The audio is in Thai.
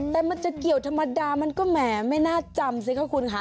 แต่มันจะเกี่ยวธรรมดามันก็แหมไม่น่าจำสิคะคุณค่ะ